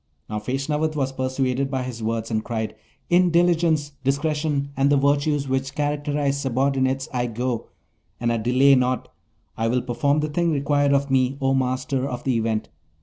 Now, Feshnavat was persuaded by his words, and cried, 'In diligence, discretion, and the virtues which characterize subordinates, I go, and I delay not! I will perform the thing required of me, O Master of the Event.'